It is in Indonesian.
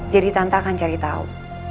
jadi tante akan cari tau